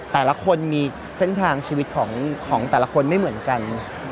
แต่ละคนมีเส้นทางชีวิตของแต่ละคนไม่เหมือนกัน